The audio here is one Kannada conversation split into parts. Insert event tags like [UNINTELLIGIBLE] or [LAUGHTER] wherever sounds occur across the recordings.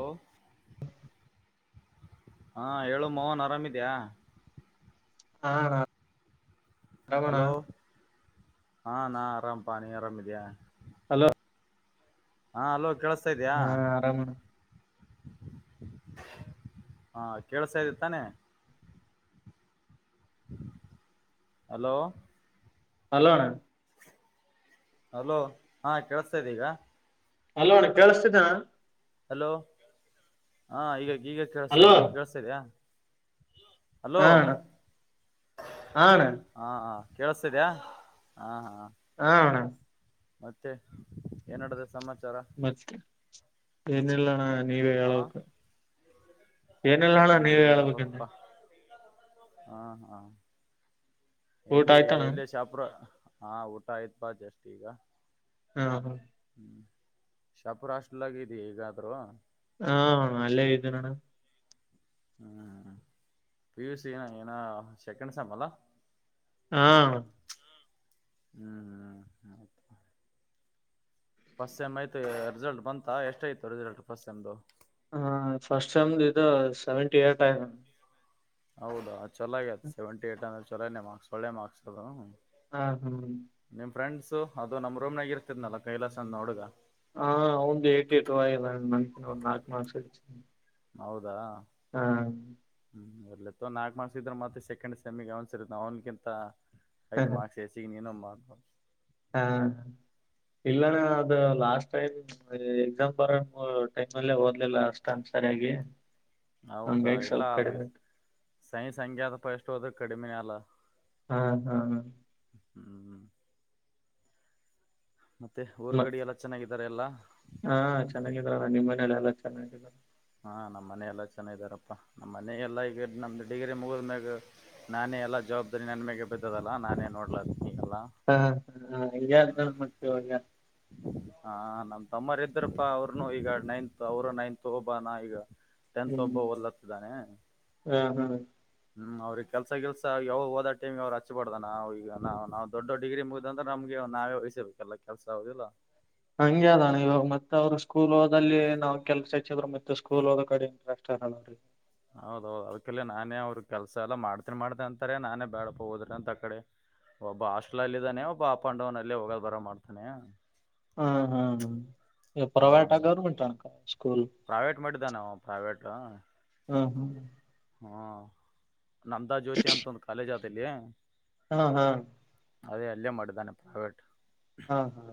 ಓಹ್. ಹಾ ಹೇಳು ಮೋಹನ್ ಆರಾಮಿದ್ಯಾ. ಹಾ ರಾ ಹಲೋ ಹಾಂ ನಾ ಆರಾಮ್ ಪ ನೀ ಆರಾಮ ಇದೆಯಾ. ಹಲೋ. ಹಾ ಅಲೋ ಕೇಳಸ್ತಾ ಇದ್ಯಾ. ಆರಾಮಣ ಹಾ ಕೇೇಳಸಾ ಇದ್ದಿ ತಾನೆ ಹಲೋ ಹಲೋಣ ಹಲೋ ಹಾ ಕೇಳಸ್ತಾ ಇದ್ದ ಈಗ ಅಲ್ಲೋಣ ಕೇಳಿಸ್ತಿದ ಹಲೋ ಹಾ ಈಗ ಈಗ ಹಲೋ ಕೇಳಳ್ತೇರಿ ಈಗ ಕೇಳತೇರಿಯ ಆಣ ಆಣ ಹಾ ಹಾ ಕೇಳಸ್ತಿದ್ಯಾ ಹಾ ಹಾ ಹಣ ಮತ್ತೆ ಏನಡದೈತಿ ಸಮಾಚಾರ ಮತ್ತ ಏನಿಲ್ಲಣ ನೀವೇ ಹಾ ಹೇಳ್ಬೇಕ ಏನಲ್ಲಣ ಏನ್ ನೀವೇ ಹೇಳ್ಬೇಕಂದೆ ಹೇಳ್ಬೇಕಪ್ಪಾ ಹಾ ಹಾ ಊಟ ಎಲ್ಲಿ ಆಯ್ತಣ್ಣ ಎಲ್ಲಿ ಚಾಪ್ರ ಹಾ ಊಟ ಆಯ್ತ್ ಬಾ ಜಸ್ಟ್ ಈಗ ಹಾ ಹಾ ಹ್ಮ್ ಶಾಪುರ್ ಅಷ್ಟಲ್ಲಾಗಿದೀ ಈಗಾದ್ರು ಹ ಅ ಲ್ಲೇಇದಿನಣ ಹ್ಞೂ ಪಿ ಯು ಸಿ ಏನ ಏನ ಸೆಕೆಂಡ್ ಸೆಮ್ ಅಲಾ ಹಾ ಹ್ಮ್ ಹ್ಮ್ ಹ ಫಸ್ಟ್ ಸೆಮ್ ಆಯತು ರಿಸಲ್ಟ್ ಬಂತ ಎಷ್ಟ ಇತ್ತು ರಿಸಲ್ಟ್ ಫಸ್ಟ್ ಸೆಮ್ದು. ಹ ಫಸ್ಟ್ ಮ್ ದದು ಸೆವೆಂಟಿ ಏಟ್ ಐಮ ಹೌದಾ ಚಲಾಗಿಯತ್ ಸೆವೆಂಟಿ ಏಟ್ ಅಂದ್ರೆ ಚೊಲನೆ ಮಾರ್ಕ್ಸ್ ಒಳ್ಳೆ ಮಾರ್ಕ್ಸ್ ಅದ ಹಾ ಹ್ಮ್ ನಿಮ್ ಫ್ರೆಂಡ್ಸು ಅದು ನಮ್ಮ್ ರೂಮ್ನಾಗ ಇರ್ತಿದನಲ್ಲ ಕೈಲಾಸ ಅಂತ ಅ ಹುಡುಗ ಹ ಒಂದ್ ಏಟಿ ಏಟ ಆಗಲ್ಲ ನ ಒಂದ್ ನಾಕುಲ್ಷಿ ಹೌದಾ ಹಾ ಹ್ಮ್ ಅರ್ಲ್ಲಿತ್ತ ನಾಲ್ಕಕ್ ಮಾರ್ಕ್ ಇದ್ರ ಮತ್ತೆ ಸೆಮ್ಮಿಗೆ ಅವನ್ ಸರಿತ ಅವ್ನತ ಸತ ಮಾರ್ಕ್ಸ್ ಎ ಸಿಗೆ ನೀಯ ನಮ್ಮ ಹಾ ಇಲ್ಲನ ಅದು ಲಾಸ್ಟ್ ಟೈಮ್ ಎಕ್ಸಾಮ್ ಬರೋ ಟೈಮ್ ಅಲ್ಲೇ ಓದ್ಲಿಲ್ಲ ಅಷ್ಟಂದ ಸರಿಯಾಗಿ [UNINTELLIGIBLE] ಹಂಗಾಗಿ ಸ್ವಲ್ಪ ಕಡಿಮೆ ಸಂಖ್ಯಾತಪ ಎಷ್ಟು ಹದ್ರ ಕಡಿಮಿನೇ ಅಲ್ಲ ಹಾ ಹಾ ಹ್ಮ್ ಮತ್ತೆ ಊರ್ ಮ ಕಡೆ ಎಲ್ಲ ಚೆನ್ನಾಗಿದ್ದಾರೆ ಎಲ್ಲಾ ಹಾ ಚೆನ್ನಾಗಿದ ನಿಮ್ಮ್ ಮನೇಲ್ಲ ಎಲ್ಲ ಚೆನ್ನಾಗಿದರು ಹಾ ನಮ್ಮ್ ಮನೆ ಎಲ್ಲಾ ಚೆನ್ನಿದಾರಪ್ಪಾ ನಮ್ಮ್ ಮನ ಎಲ್ಲಾ ಈಗ ನಮ್ದು ಡಿಗ್ರಿ ಮುಗಿದ್ಮಗ ನಾನೇ ಎಲ್ಲಾ ಜವಾಬ್ದಾರಿ ನನ್ ಮಾಗ ಬಿದ್ದದಲ್ಲಾ ನಾನೇ ನೋಡ್ಲದ ಈಗೆಲ್ಲಾ. ಹಾ ಹ ಹ ಈ ಮಾಡ್ತವ. [UNINTELLIGIBLE] ಹಾ ನಮ್ ತಮ್ಮರ್ ಇದ್ದ್ರಪ್ಪಾ ಅವ್ರನು ಈಗ ನೈನ್ತ್ ಅವರು ನೈನ್ತ್ ಹೋಬಾನ ಈಗ. ತೆಂತತ್ ಒಬ್ಬ ಹೊಲತ್ತಿದ್ದಾನೆ. ಹ್ಮ್ ಹ್ಮ್ ಹ್ಮ್ ಅವ್ರಿಗೆ ಕೆಲ್ಸ ಕೆಲ್ಸ ಯಾವ ಹೋದ ಟಮ್ಗೆ ಅವ್ರು ಹಚ್ಬಾರ್ದಾನ ಈಗ ನ ನಾ್ ದೊಡ್ಡ ಡಿಗ್ರಿ ಮು. ಅ್ರ ನಮ್ಗೆ ನಾವೇ ವಹಿಸ್ಬೇಕ ಎಲ್ಲ ಕೆಲ್ಸ ಹಗುದಿಲ್ಲಾ. ಹಂಗ ಅದಣ ಇವಾಗ ಮತ್ತೆ ಅವ್ರು ಸ್ಕೂಲ್ ಓದಲ್ಲಿ ನಾವ್ ಕೆಲ್ಸ ಹಚ್ಚಿದ್ರು ಮತ್ತೆ ಸ್ಕೂಲ್ ಹಓದೋ ಕಡೆ ಇಂಟ್ರೆಸ್ಟ್ ಇರಲ್ಲ ಅವ್ರಿಗೆ. ಹೌದೌದು ಅದ್ಕಲ್ಲ ನಾನೇ ಅವ್ರ ಕೆಲ್ಸ ಎಲ್ಲ ಮಾಡ್ತೀಿ ಮಾಡತತೆನ ಅಾರೆ ನಾನೇ ಬೇಡಪ್ಪ ಹೋದ್ರಿ ಅಂತ ಆ ಕಡೆ. ಒಬ್ಬ ಹಾಸ್ಟೆಲ್ ಅಲ್ಲಿ ಇದಾನೆ ಒಬ್ಬ ಅಪ್ ಅಂಡ್ ಡನ್ ಅಲ್ಲಿೇ ಹೋಗೋ ಬರೋ ಮಾಡ್ತಾನೆ. ಹ್ಮ ಹಾ ಹ್ಮ ಪ್ರೈವಟ್ ಹ್ಮ್ ಗೋರ್ಮೆಂಟ್ ಸ್ಕೂಲ್ ಪ್ರೈವೇಟ್ ಮಾಡಿದ್ದಾನೆ ಅವ ಪ್ರೈವೇಟ್ ಹ್ಮ ಹ್ಮ ಹಾ ನಂದ ಜ್ಯೋತಿ ಅಂತ ಒಂದು ಕಾಲೇಜ್ ಆತಲ್ಲಿ. ಹಾ ಹಾ ಅದೇ ಅಲ್ಲೇ ಮಾಡಿದ್ದಾನೆ ಪ್ರೈವೇಟ್. ಹಾ ಹಾ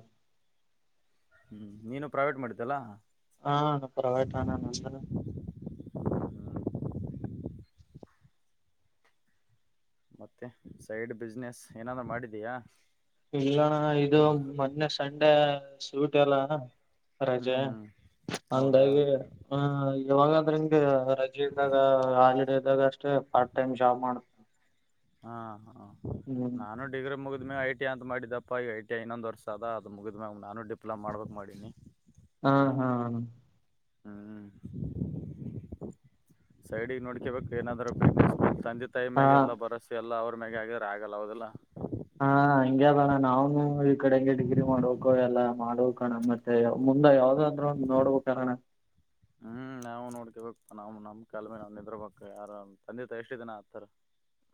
ಹ್ಞೂ ನೀನು ಪ್ರೈವೇಟ್ ಮಾಡಿದ್ದಲ್ಲ ಹಾ ಪ್ರವೇಟ್ಣ ನಂದ ಹ್ಮ್ ಮತ್ತೆ ಸೈಡ್ ಬಿಸ್ನೆಸ್ ಏನಾದ್ ಮಾಡಿದಯಾ ಇಲ್ಲಣ್ಣ ಇದು ಮೊನ್ನೆ ಸಂಡೆ ಸೂಟ್ ಎಲ್ಲ ರಜೆ ಹ್ಮ್ ಹ್ಮ್ ಹೌದಾ ಅಂದಾಗಿ ಇವಾಗಾದ್ರೆಂಗ ರಜೆ ಇದ್ದಾಗ ಹಾಲಿಡ ಇದ್ದಾಗ ಅಷ್ಟೇ ಪಾರ್ಟ್ ಟೈಮ್ ಜಾಬ್ ಮಾಡೆ ಹಾ ಹಾ ಹ್ಮ್ ನಾನು ಡಿಗ್ರಿ ಮುಗಿದ ಮಾಗ ಟಿ ಅ ಮಾಡಿದ್ದಪ್ಪ ಈಗ ಐ ಟಐನ್ನೊಂದು ವರ್ಷ ಅದ ಅದು ಮುಗಿದ್ಯಾಗ ನಾನು ಡಿಪ್ಲಮ ಮಾಡಬೇಕ ಮಾಡೀನಿ ಹಾ ಹಾ ಹ್ಮ್ ಸೈಡಿಗೆ ನೋಡ್ಕಬೇಕು ಏನಾದ್ರೂ ತಂದಿತ್ತು ಹಾ ತೈಮ್ಯಾಗೆ ಎಲ್ಲ ಬರಸಿ ಎಲ್ಲ ಅವ್ರ ಮ್ಯೆ ಆಗಿದ್ರೆ ಆಗಲ್ಲ ಅವದೆಲ್ಲ ಹಾ ಹಂಗ ಅದಣ ನಾವ್ನು ಈ ಕಡೆಂಗೆ ಡಿಗ್ರಿ ಮಾಡ್ ಎಲ್ಲ ಮಾಡುವ ಕಣ ಮತ್ತೆ ಮುಂದ ಯಾವ್ದಾದ್ರ ನೋಡ್ಬೇಕುಣ ಹ್ಮ್ ನಾವವು ನೋಡ್ಕಬೇಕ ನಾ ನಮ ಕಲ್ಮಿ ನ್ ನಿದ್ರ ಬಕ್ ಯಾರ ತಂದೆ ತ ಎಷ್ಟ ಇದಿನ ಆತರ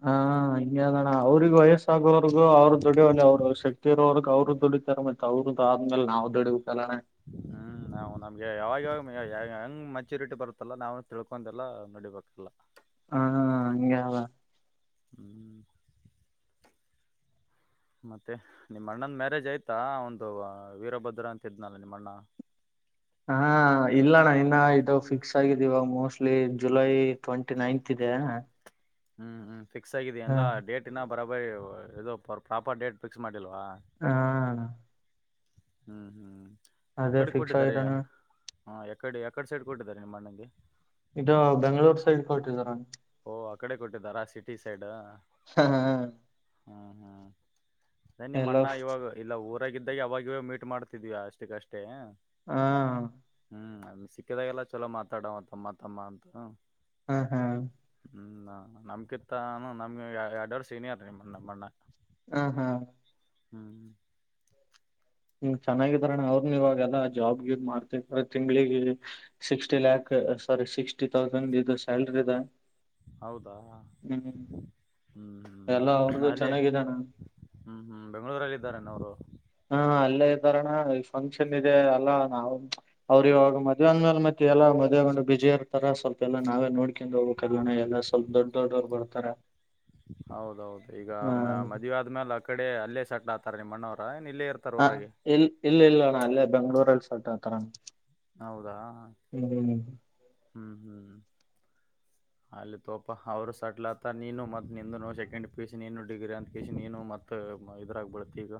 ಹ ಹಂಗಿದೆ ಅವರಿಗೂ ಎಷ್ಟು ಗೋವರ್ಗೂ ಅವ್ರ ದುಡ ಅವ್ರ ಶಕ್ತಿ ಇರೋವಗ್ ಅವರು ದುಡಿತರ ಮ ಅವರು ಆದ್ಮೇಲೆ ನಾವು ದುಡಬೇಕುಲ್ಲ ಹ್ಮ್ ನಾವು ನಮ್ಗೆ ಯಾವಾಗ ಯಾವಾಗ ಹೆಂಗ್ ಮಚ್ಯೂರಿಟಿ ಬರುತ್ತಲ್ಲ ನಾವವು ತಿಳ್ಕೊಂಡೆಲ್ಲ ನೋಡಿಬೇಕಲ್ಲ ಹಾ ಹಂಗ ಹ್ಮ್ ಮತ್ತೆ ನಿಮ್ಮ ಅಣ್ಣಂದ ಮ್ಯಾರೇಜ್ ಆಯ್ತಾ ಒಂದು ವೀರಭದ್ರ ಅಂತ ಇದ್ನಲ್ಲ ನಿಮ್ಮ ಅಣ್ಣ ಹಾ ಇಲ್ಲಣ ಇನ್ನ ಇದು ಫಿಕ್ಸ್ ಆಗಿದೆ ಇವಾಗ ಮೋಸ್ಟ್ಲಿ ಜುಲೈ ಟ್ವೆಂಟಿ ನೈನ್ತ್ ಇದೆ ಹ್ಮ್ ಹ್ಮ್ ಫಿಕ್ಸ್ ಆಗಿದ ಎಲ್ಲ ಡೇಟ್ ಇಿನ ಬರಾಬರಿ ಪ್ರಾಪರ್ ಡೇಟ್ ಫಿಕ್ಸ್ ಮಾಡಿಲ್ವಾ ಹಾ ಹ್ಮ್ ಹ್ಮ್ ಅದೇ ಎಕಡೆ ಫಿಕ್ಸ್ ಕೊಟ್ಟಿದ್ದಾರೆ ಆಗಿದ್ದಾನ ಹಎಕಡೆ ಯಕಡೆ ಸೈಡ್ ಕೊಟ್ಟಿದ್ದಾರೆ ನಿಮ್ಮ ಅಣ್ಣಗೆ ಈಗ ಬೆಂಗಳೂರು ಸೈಡ್ ಕೊಟ್ಟಿದರ ಓಹ್ ಆ ಕಡೆ ಕೊಟ್ಟಿದ್ದಾರ ಸಿಟಿ ಸೈಡ್ ಹಾ ಹಾ ಹ್ಮ್ ಹ್ಮ್ ಸರಿ ಎಲ್ಲ ಅಣ್ಣ ಇವಾಗ ಇಲ್ಲ ಊರಾಗಿದ್ದಾಗ ಅವಾಗವ ಮೀಟ್ ಮಾಡ್ತಿದ ಅಷ್ಟಕ್ಕಷ್ಟೇ ಹಾ ಹ್ಮ್ ಅದ್ ಸಿಕ್ಕಿದಾಗೆಲ್ಲ ಚಲೋ ಮಾತಾಡವ ತಮ್ಮ ತಮ್ಮ ಅಂತ ಹ ಹಾ. ಹ್ಮ ನಮ್ಕಿತ್ತಾನು ನಮ್ಗೆ ಎರಡ್ವರ್ಷ ಸೀನಿಯರ್ ನಮ್ಮಣ್ಣ. ಹ ಹಾ ಹ್ಮ್. ಹ್ಮ ಚೆನ್ನಾಗಿದಾರಣ್ಣಾ ಅವ್ರನು ಇವಾಗೆಲ್ಲಾ ಜಾಬ್ಗೆ ಗಿಬ್ ಮಾಡ್ತ ತಿಂಗ್ಳಿಗೆ sixty lakh sorry sixty thousand ಇದು ಸ್ಯಾಲ್ರಿ ಅದ. ಹೌದಾ [INAUDIBLE] ಎಲ್ಲ ಹ್ಮ್ ಅವ್ರದು ಅಲ್ಲೇ ಚೆನ್ನಾಗಿದಣ ಹ್ಮ್ ಹ್ಮ್ ಬೆಂಗಳೂರಾಗ್ ಇದ್ದಾರೆನ್ ಅವರು ಹು ಹು ಅಲ್ಲೇ ಇದ್ದಾರಣ್ಣ ಈ ಫಂಕ್ಷನ್ ಇದೆ ಅಲ್ಲಾ ನಾವು ಅವ್ರು ಇವಾಗ ಮದುವೆ ಅಂದ್ಮೇಲೆ ಮತ್ತೆ ಎಲ್ಲ ಮದುವೆ ಗಂಡು ಬಿಜಿ ಇರ್ತಾರ ಸ್ವಲ್ಪ ಎಲ್ಲ ನಾವೇ ನೋಡ್ [UNINTELLIGIBLE] ಎಲ್ಲ ಸ್ವಲ್ಪ ದೊಡ್ಡ ದೊಡ್ಡವ್ರು ಬರ್ತಾರೆ ಹೌದೌದು ಈಗ ಮ ಹ್ಮ ಮದುವೆ ಆದ್ಮೇಲೆ ಆ ಕಡೆ ಅಲ್ಲೇ ಸೆಟ್ಲ್ ಆತಾರೆ ನಿಮ್ಮಣ್ಣವರ ಏನ್ಇಲ್ಲೇ ಇರ್ ಹ ಇಲ್ ಇಲ್ಲಿಲ್ಲಣ್ಣ ಅಲ್ಲೇ ಬೆಂಗ್ಳೂರಲ್ಲಿ ಸೆಟ್ ಆಗ್ತಾರಣ್ಣ. ಹೌದಾ [INAUDIBLE] ಹ್ಮ್ ಹ್ಮ್. [INAUDIBLE] ಅಲ್ಲಿ ತೋಪ ಅವರು ಸೆಟ್ಲಾತ ನೀನು ಮತ್ತು ನಿಂದೂನೂ ಸೆಕೆಂಡ್ ಪೀಯುಸಿ ನೀನು ಡಿಗ್ರಿ ಅಂತ ಕೆಸಿ ನೀನು ಮತ್ತು ಮತ್ ಇದ್ರಾಗ ಬಳತಿ ಈಗ.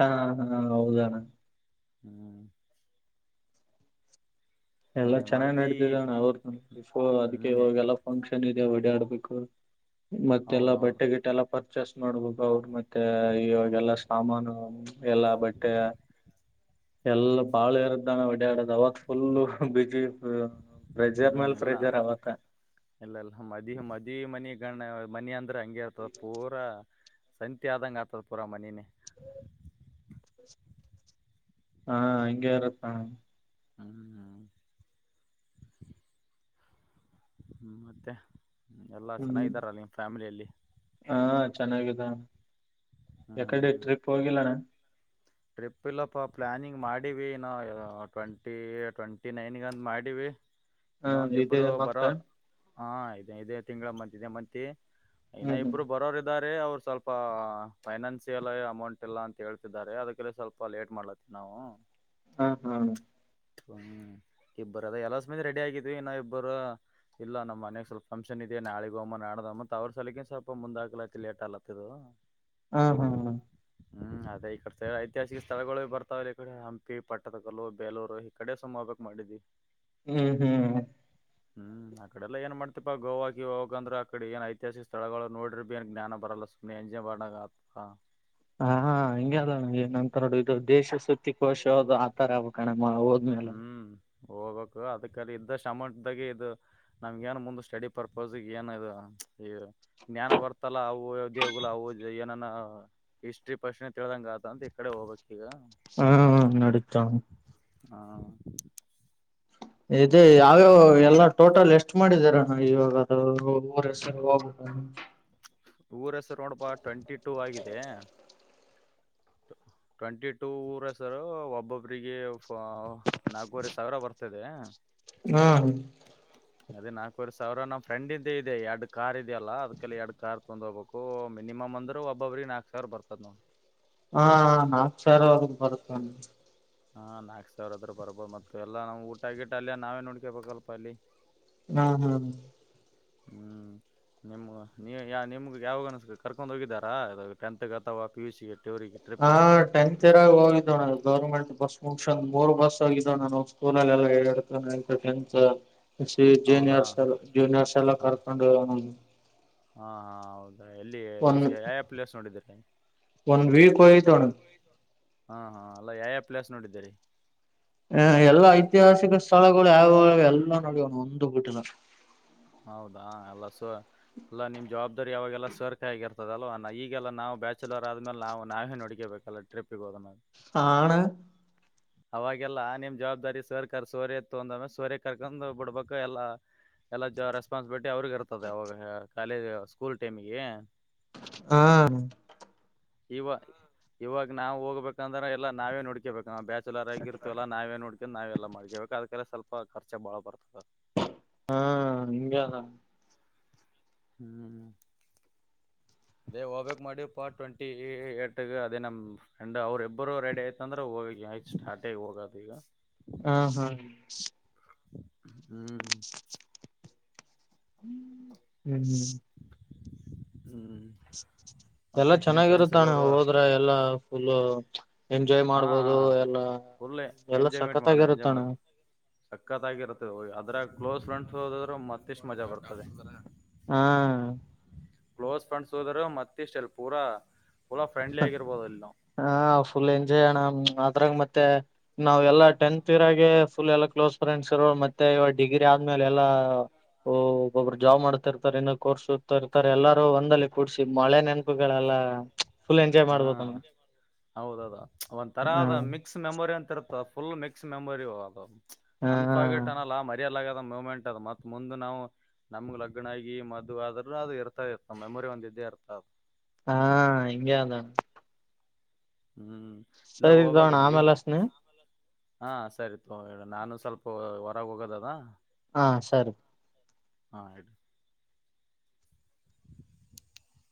ಹಾ ಹಾ ಹೌದಣ್ಣ. ಹ್ಮೂ. ಎಲ್ಲ ಏನ್ ಚೆನ್ನಾಗ್ ಮಾಡ್ತಿ ನಡತಿದಣ್ಣ್ ಅವ್ರ ಇಫೋ ಅದಕ್ಕೆ ಹ್ಮ್ ಇವೆಗೆಲ್ಲ ಫಂಕ್ಷನ್ ಇದೆ ಓಡ್ಯಾಡ್ಬೇಕು ಮತ್ತೆಲ್ಲ ಹೌದೌದು ಬಟ್ಟೆ ಗಿಟ್ಟ ಎಲ್ಲ ಪರ್ ಪರ್ಚೇಸ್ ಮಾಡ್ಬೇಕು ಅವರು ಮತ್ತೆ ಇವಾಗೆಲ್ಲ ಸಾಮಾನು ಎಲ್ಲಾ ಬಟ್ಟೆ ಎಲ್ಲ ಬಾಳ ಇರದ್ದಾನ ಓಡ್ಯಾಡುದ್ ಅವಾಗ ಫುಲ್ಲು ಬಿಜಿ ಇರ್ತದ ಪ್ರೆಜರ್ ಹ್ಮ್ ಮೆಲ್ ಇಲ್ಲ ಪ್ರೆಜರ್ ಅವತ್ತ ಇಲ್ಲ ಇಲ್ಲ ಮದಿ ಮದಿ ಮನಿ ಗಣ ಮನಿ ಅಂದ್ರೆ ಹಂಗೆ ಇರ್ತದ ಪೂರಾ ಸಂತಿ ಆದಂಗ ಆತದ ಪುರ ಮನಿನೆ. ಹಾ ಹಂಗೆ ಇರತ್ತಣಾ. ಹ್ಮ್ ಹ್ಮ. ಹ್ಮ್ ಮತ್ತೆ ಎಲ್ಲಾ ಚೆನ್ನಾಗಿದಾರಾರ ನಿಮ್ಮ್ ಫ್ಯಾಮಿಲಿಯಲ್ಲಿ. ಹ ಚೆನ್ನಾಗದಾರ ಹ್ಮ್ ಎಕಡೆ ಹ್ಮ್ ಟ್ರಿಪ್ ಹೋಗಿಲ್ಲಣ್ಣ ಟ್ರಿಪ್ ಇಲ್ಲಪ್ಪ ಪ್ಲ್ಯಾನಿಂಗ್ ಮಾಡಿವ ಏನೊ ಟ್ವೆಂಟಿ ಟ್ವೆಂಟಿ ನೈನ್ಗೆಂತ ಮಾಡಿವಿ ಹ [INAUDIBLE] ಇನ್ನೊವಂದಿಬ್ಬರ ಬರೋರ್ ಹಾ ಇದೆ ಇದೆ ತಿಂಗಳ ಮದ್ಯದೆ ಮದ್ಯ ಇನ್ನಾ ಹ್ಮ್ ಹ್ಮ್ ಇಬ್ರು ಬರೋರ್ ಇದಾರೆ ಅವರು ಸ್ವಲ್ಪ ಪಾ ಫೈನಾನ್ಸಿಯಲ್ ಅಮೌಂಟ್ ಇಲ್ಲ ಅಂತ ಹೇಳ್ತಿದ್ದಾರೆ ಅದಕ್ಕೆ ಪ [UNINTELLIGIBLE] ಸ್ವಲ್ಪ ಲೇಟ್ ಮಾಡ್ಲತ್ತೀವಿ ನಾವು. ಹ್ಮ್ ಹ್ಮ್. ಹ್ಮ್ ಇಬ್ಬರು ಅದ ಎಲ್ಲ ಸಮೇ ರೆಡಿ ಆಗಿದ್ವಿ ಇನ್ನಾ ಇಬ್ಬರು ಇಲ್ಲ ನಮ್ಮ ಮನ್ಯಗ್ ಸ್ವಲ್ಪ ಫಂಕ್ಷನ್ ಇದೆ ನಾಳೆಗೂಗಮ್ಮ ನಡದ ನಾಡದಹೊಗಮ್ಮ ಅವರ್ ಸಾಲಿಗೆ ಸ್ವಲ್ಪ ಮುಂದ ಹಾಕ್ಲೈತಿ ಲೇಟ್ ಆಲತ್ತ ಇದು ಹಾ ಹಾ ಹೆ. ಹ್ಮ್ ಅದೇ ಐತಿಹಾಸಿಕ ಸ್ಥಳಗಳು ಬರ್ತಾವ ಇಲ್ಲ ಈ ಕಡೆ ಹಂಪಿ ಪಟ್ಟದಕಲ್ಲು ಬೇಲೂರು ಈ ಕಡೆ ಸುಮ್ ಹೋಬೇಕ್ ಮಾಡಿದ್ವಿ ಹ್ಮ್ ಹ್ಮ್ಹ. ಹ್ಮ್ ಆಕಡೆ ಎಲ್ಲ ಏನ್ ಮಾಡ್ತಿಪಾ ಗೋವಾ ಗಿವಾ ಹೊಕಂದ್ರ ಆ ಕಡೆ ಏನ್ ಐತಿಹಾಸಿಕ ಸ್ಥಳಗಳು ನೋಡ್ರಿ ಬಿ ಏನು ಜ್ಞಾನ ಬರಲ್ ಸುಮ್ ಮೆಂಜ ಬರ್ಡೇಗಾಗುತ್ತ. ಹಾ ಹಿಂಗಗೆ ಅದಣ ಏನಂತ ನೋಡು ಇದು ದೇಶ ಸುತ್ತಿ ಕೋಶೋದು ಆತರ ಅವ. ಕಣಮ್ಮ ಹೋದ್ಮೇ ಅಲ್ಲ. ಹೋಗಕು ಅದಕ್ಕಲ್ಲಿ ಇದ್ದಷ್ಟ ಅಮೌಂಟ್ಗೆ ಇದು. ನಮ್ಗ ಏನ್ ಮುಂದ ಸ್ಟಡಿ ಪರ್ಪಸ್ಗೆ ಏನ್ ಇದು ಈ. ಜ್ಞಾನ ಬರ್ತಲ್ಲ ಅವು ದೇವ್ಗಳು ಅವು ಏನಾನ ಹಿಸ್ಟ್ರಿ ಪಶ್ನೆ ತಿಳಿದಂಗ ಆ್ ಅಂತ ಈ ಕಡೆ ಹೋಗ್ಬೇಕಕ್ ಈಗ ಹ್ಮ್ ನಡತಾ ಹಾ ಇದೆ ಯಾವ್ಯಾವ ಎಲ್ಲ ಟೋಟಲ್ ಎಷ್ಟು ಮಾಡಿದರ ಇವಾಗ ಅ ಊ [INAUDIBLE] ಊರ ಹೆಸರೊಣಪ ಟ್ವೆಂಟಿ ಟೂ ಆಗಿದೆ ಟ್ವೆಂಟಿ ಟೂ ಊರ ಸರು ಒಬ್ಬೊಬ್ರಿಗೆ ನಾಲ್ಕೂವರೆ ಸಾವಿರ ಬರ್ತ ತದ ಹಾ [INAUDIBLE] ಅದೇ ನಾಲ್ಕವರೆ ಸಾವಿರ ನ್ ಫ್ರೆಂಡ್ ಇ್ದ ಇದೆ ಎರಡ್ ಕಾರ್ ಇ ಇದೆಯಲ್ಲ ಅದ್ಲ ಎರಡ್ ಕಾರ್ ತೊಹೋಗ್ಬೇಕು ಮಿನಮ್ ಅಂದ್ ಒಬ್ಬ್ರ ನಾಕಕ್ ಸಾವಿರ ಬರ್ತದ ನೋವು ಹಾ ನಾಕು ಸಾವರವರೆಗ ಬರುತ್ತ ಹಾ ನಾಕಕ್ ಸಾವಿರ ಹದರ ಬರ್ಬಹದು ಮತ್ತ ಎಲ್ಲ ನ್ ಊಟಗಿಟ್ಟ ಅಲ್ಲಿಯ ನಾವೇ ನೋಡ್ಕೇಬೇಕಲ್ಪ ಅಲ್ಲಿ ಹ್ಮ್ ಹ್ಮ್ [INAUDIBLE] ನಿಮ್ಗೆ ನೀ ನಿಮ್ಗೆ ಯಾವಾಗನ ಕರ್ಕೊಂಡು ಹೋಗಿದ್ದಾರಾಾಗ ಟೆಂತ್ಗೆ ಅಥವಾ ಪಿ ಯು ಸಿಗೆ ಟವಗ ಹಾಟ ರ ಹೋಗಿದ್ದವ ಅ ಗೌರ್ಮೆಂಟ್ ಬಸ್ ಮುಕ್ಷನ್ಂದ ಮೂರು ಬಸ್ ಹೋಗಿದ್ದಣ ನವು ಸ್ಕೂಲಲ್ಲ ಹೇಳೆ [UNINTELLIGIBLE] ಹೌದಾ ಜೂನಿಯರ್ಸ್ ಎ ಜೂನಿಯರ್ಸ್ ಎಲ್ಲ ಹಾ ಕರ್ಕೊಂಡು ಹಾ ಹಾ ಹೌದು ಎಲ್ಲಿ ಒನ್ ಯಾವಾವ ಪ್ಲೇಸ್ ನೋಡಿದೀರ ಒಂದ್ ವೀಕ್ ಹೋಗಿದ್ದೋಣ ಹಾ ಹಾ ಅಲ್ಲ ಯಾವ ಯಾವ ಪ್ಲಸ್ಡಿದ್ದೀರಿ ಹ ಎಲ್ಲಾ ಐತಿಹಾಸಿಕ ಸ್ಥಳಗಳು ಯಾವಾಗ ಎಲ್ಲಾ ನಡವಣ ಒಂದ ಬಿಟ್ಟಿಲ್ಲ ಹೌದಾ ಎಲ್ಲ ಸು ಅಲ್ಲ ನಿಮಮ್ಮ ಜವಾಬ್ದಾರಿ ಯಾವಾಗೆಲ್ಲ ಸರ್ಕ ಆಗಿರ್ತದವ ಅ ಈಗೆಲ್ಲ ನಾವು ಬ್ಯಾಚುಲರ್ ಆದ್ಮೇಲೆ ನಾವು ನಾವೇ ನಡಡಿಕಬೇಕಲ್ಲ ಟ್ರಿಪ್ ಗೆ ಹೋದ ನ ಆನ ಅವಾಗೆಲ್ಲಾ ನಿಮ್ ಜವಾಬ್ದಾರಿ ಸರ್ ಕರ್ ಸೋರೆ ಎತ್ತು ಅಂದಮೇಲೆ ಸೋರಿ ಕರ್ಕೊಂಡ್ ಬಿಡ್ಬೇಕು ಎಲ್ಲ ಎಲ್ಲ ಜ ರೆಸ್ಪಾನ್ಸಿಬಿಲಿಟಿ ಅವ್ರಗ ಇರ್ತದೆ ಅವಾಗ ಕಾಲೇಜ್ ಸ್ಕೂಲ್ ಟೈಮಿಗೆ ಹಾ ಇವ ಇವಾಗ ನಾವು ಹೋಗ್ಬೇಕಂದ್ರೆ ಎಲ್ಲ ನಾವೇ ನೋಡ್ಕೇಬೇಕ ಬ್ಯಾ ಲರಾಗಿ ಇರ್ತವಲ್ಲ ನಾವೇ ನೋಡ್ಕೀ ನಾವೆಲ್ಲ ಮಾಡ್ಕೇಬೇಕ ಅದಕ್ಕೆಲ್ಲ ಸ್ವಲ್ ಖರ್ಚ ಬಾಳ ಬರ್ತದ ಹಾ ಹಗೆ ಹ್ಮ್ [INAUDIBLE] ಅದೇ ಹೋಗ್ಬಕ್ ಮಾಡಿ ಪಾರ್ಟ್ ಟ್ವೆಂಟಿ ಏಟ್ ಅದೇ ನಮ ಅಂಡ್ ಅವ್ರಬ್ಬರು ರೆಡಿ ಆಯ್ತಂದ್ರೆ ಹೋಗ ಆಯ್ತ ಸ್ಟಾರ್ಟೇಗ ಹೋಗದು ಈಗ ಹ ಹಾ ಹ್ಮ್. [INAUDIBLE] ಹ್ಮ್. ಎಲ್ಲಾ ಮತ್ತೆ ನಿಮ್ ಫ್ರೆಂಡ್ಸ್ ಚೆನ್ನಾಗಿರುತ್ತಣ್ಣ ಎಲ್ಲರೂ ಹೋದ್ರ ಎಲ್ಲಾ ಫುಲ್ಲ. ಎಂಜಾಯ್ ಹಾ ಮಾಡ್ಬೋದು ಎಲ್ಲ ಫುಲ್ ಎಲ್ಲ ಸಖತ್ತಾಗಿರುತ್ತಣ್ಣ. ಸಕ್ಕತಾಗಿರತ್ತದೆ ಆದ್ರಾಗ ಕ್ಲೋಸ್ ಫ್ರೆಂಡ್ಸ್ ಹೋದದ್ರರು ಮತ್ತಿಷ್ಟು ಮಜಾ ಬರ್ತದ. ಹ್. ಕ್ಲೋಸ್ ಫ್ರೆಂಡ್ಸ್ ಹೋದರ ಮತ್ತ ಇಷ್ಟಲ್ಲಿ ಪೂರಾ ಪುಲಾ ಫ್ರೆಂಡ್ಲಿ ಆಗಿರ್ಬೋದು ಅಲ್ಲಿ ನಾವು. ಹ ಫುಲ್ ಎಂಜಾಯ್ ಅಣ್ಣ ಅದ್ರಾಗ ಮತ್ತೆ. ನಾವೆಲ್ಲಾ ಟೆಂತ್ ಇರಾಗೆ ಫುಲ್ ಎಲ್ಲಾ ಕ್ಲೋಸ್ ಫ್ರೆಂಡ್ಸ್ ಇರೋ ಮತ್ತೆ ಇವಾಗ ಡಿಗ್ರಿ ಆದ್ಮೇಲೆ ಎಲ್ಲ. ಓ ಒಬ್ಬಬ್ರು ಜಾಬ್ ಮಾಡ್ತಿರ್ತಾರೆ ಇನ್ನೊ ಕೋರ್ಸ್ ಇರ್ತಾರೆ ಎಲ್ಲಾರೂ ಒಂದಲ್ಲಿ ಕೂಡ್ಸಿಸಿ ಮಳೆ ನೆಂ ಹಕ್ಕುಗಳೆಲ್ಲ. ಹಾ ಹೌದದು ಒಂದ್ ಹ ತರದ ಮಿಕ್ಸ್ ಮೆಮೊರಿ ಅಂತ ಇರುತ್ತ ಫುಲ್ ಮಿಕ್ಸ್ ಮೆಮೊರಿ ಹ ಅನ್ ಫೋರ್ಕೆಟ್ ಚನಲ್ಲ ಮರಿಯಲ್ಲಾಗದ ಮೂಮೆಂಟ್ ಅದು ಮತ್ ಮುಂದ ನಾವು. ನಮ್ಗ್ ಲಗ್ನ ಆಗಿ ಮದುವ ಆದ್ರರು ಅದು ಇರ್ತಾ ಇತ್ತ ನಮ್ಮ ಮೆಮೊರಿ ಒಂದ ಇದ್ದೇ ಇರ್ತಾ ಅದ. ಹಾ ಹಿಂಗೆ ಅದ. ಹ್ಮ್ ಇಲ್ಲ ಸರಿ ಹೀಗಬೇಕ್ ತಗೋಣ ಜೀವ. ಆಮೇಲೆ ಹಚ್ತೀನಿ ಹಾ ಸರಿ ತೊಗ ಇಡ ನಾನು ಸ್ವಲ್ಪ ಹೊರಗ ಹೋಗೋದದಾ. ಹ ಸರಿ. ಹಾ ಇಡ. [INAUDIBLE]